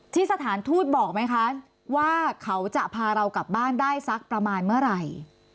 สถานทูตบอกไหมคะว่าเขาจะพาเรากลับบ้านได้สักประมาณเมื่อไหร่